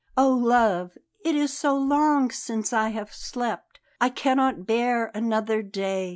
Oh, love, it is so long since I have slept! I cannot bear another day.